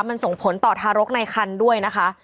มันส่งผลต่อทารกในคันด้วยนะคะ